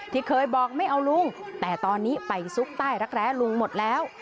ที่เคยบอกไม่เอาลุงแต่ตอนนี้ไปซุกใต้รักแร้ลุงหมดแล้ว